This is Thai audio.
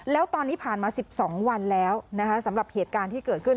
แล้วตอนนี้ผ่านมา๑๒วันแล้วนะคะสำหรับเหตุการณ์ที่เกิดขึ้น